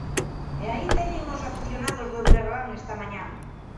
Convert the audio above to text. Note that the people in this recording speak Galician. E aí teñen os afeccionados do Breogán esta mañá.